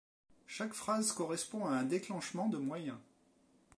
Chaque phase correspond à un déclenchement de moyens.